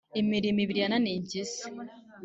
Imirimo ibiri yananiye impyisi.